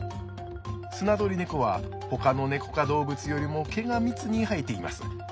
スナドリネコはほかのネコ科動物よりも毛が密に生えています。